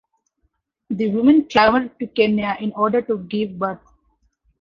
The women travelled to Kenya in order to "give birth".